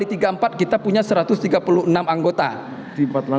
empat x tiga puluh empat kita punya satu ratus tiga puluh enam anggota